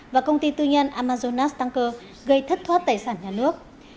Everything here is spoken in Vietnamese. và công ty tư nhân amazonas tanker gây thất thoát tài sản nhà nước